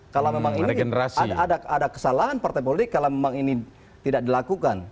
kalau memang ini ada kesalahan partai politik kalau memang ini tidak dilakukan